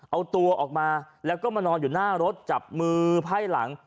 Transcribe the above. เอาตัวออกมาแล้วก็มานอนอยู่หน้ารถจับมือไพ่หลัง